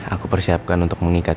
aku persiapkan untuk menikah